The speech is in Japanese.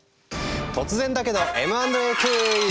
突然だけどＭ＆Ａクイズ！